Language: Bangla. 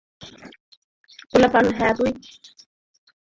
পোলাপান, হ্যাঁ, তুই।